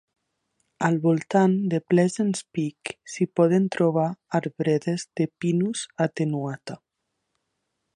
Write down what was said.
Al voltant de Pleasants Peak s'hi poden trobar arbredes de "Pinus attenuata".